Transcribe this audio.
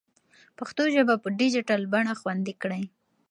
پښتو ژبه په ډیجیټل بڼه خوندي کړئ.